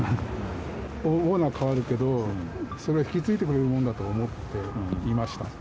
オーナーかわるけど、それ、引き継いでくれるものだと思っていました。